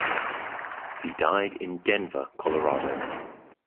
He died in Denver, Colorado.